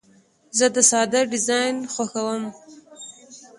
زه د ساده ډیزاین خوښوم.